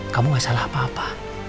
kamu gak salah apa apa